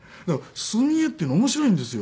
墨絵っていうのは面白いんですよ。